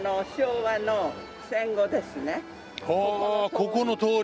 ここの通り。